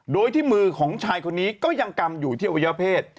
โดยที่มือของชายคนนี้ก็ยังกำอยู่ที่อวัยวเพศ